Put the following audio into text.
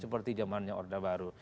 seperti jamannya orda baru